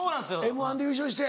『Ｍ−１』で優勝して。